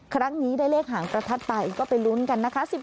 ครั้งนี้ได้เลขหางประทัดไปก็ไปลุ้นกันนะคะ